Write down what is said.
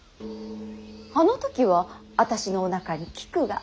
あの時は私のおなかにきくが。